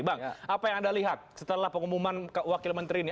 bang apa yang anda lihat setelah pengumuman wakil menteri ini